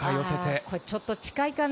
あぁ、ちょっと近いかな？